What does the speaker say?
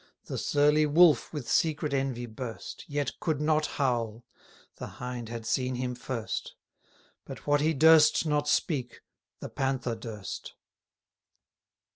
The surly Wolf with secret envy burst, Yet could not howl; (the Hind had seen him first:) But what he durst not speak the Panther durst.